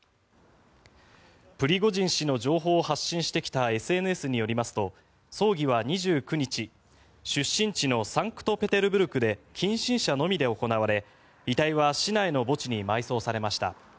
プリゴジン氏の情報を発信してきたＳＮＳによりますと葬儀は２９日、出身地のサンクトペテルブルクで近親者のみで行われ、遺体は市内の墓地に埋葬されました。